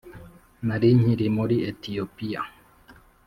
nari nkiri muri etiyopiya.